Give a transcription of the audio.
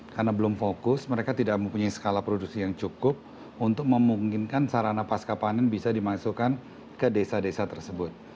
karena belum fokus mereka tidak mempunyai skala produksi yang cukup untuk memungkinkan sarana pasca panen bisa dimasukkan ke desa desa tersebut